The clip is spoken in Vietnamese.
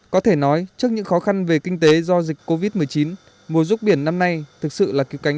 có thể nói trước những khó khăn về kinh tế do dịch covid một mươi chín mùa ruốc biển năm nay thực sự là cứu cánh